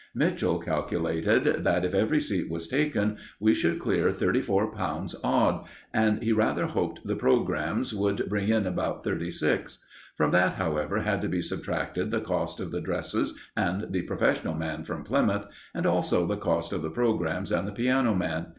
Mitchell calculated that, if every seat was taken, we should clear thirty four pounds odd, and he rather hoped the programmes would bring it up to thirty six. From that, however, had to be subtracted the cost of the dresses and the professional man from Plymouth, and also the cost of the programmes and the piano man.